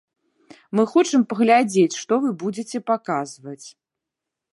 Мы хочам паглядзець, што вы будзеце паказваць.